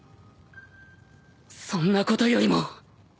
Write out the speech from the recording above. そんなことよりも